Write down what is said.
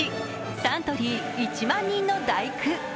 サントリー１万人の第九。